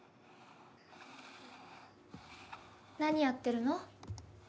何やってるの？